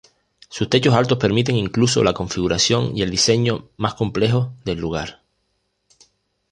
Sus techos altos permiten incluso la configuración y el diseño más complejos del lugar.